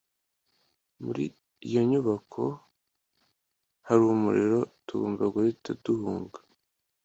muri iyo nyubako hari umuriro. tugomba guhita duhunga